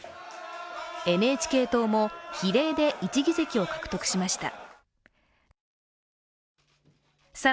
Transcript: ＮＨＫ党も比例で１議席を獲得しました。